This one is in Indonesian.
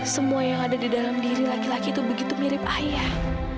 semua yang ada di dalam diri laki laki itu begitu mirip ayah